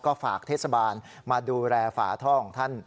ก็ฝากเทศบาลมาดูแลฝาท่อของท่าน